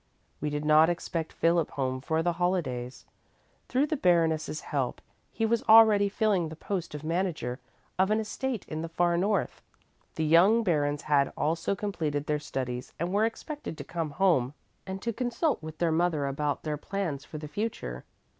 We did not expect Philip home for the holidays. Through the Baroness' help he was already filling the post of manager of an estate in the far north. The young barons had also completed their studies and were expected to come home and to consult with their mother about their plans for the future.